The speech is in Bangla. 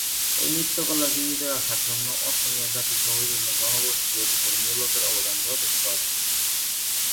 এই নৃত্যকলা জীবিত রাখার জন্য অসমীয়া জাতি সহ বিভিন্ন জনগোষ্ঠী ও ধর্মীয় লোকের অবদান যথেষ্ট আছে।